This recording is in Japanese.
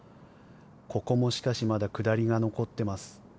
ここもしかし、まだ下りが残っています。